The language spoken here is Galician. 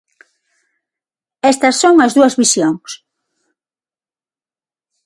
Estas son as dúas visións.